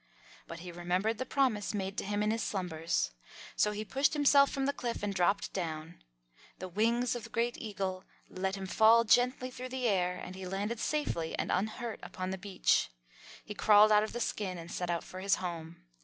But he remembered the promise made to him in his slumbers. So he pushed himself from the cliff and dropped down. The wings of Great Eagle let him fall gently through the air and he landed safely and unhurt upon the beach. He crawled out of the skin and set out for his home.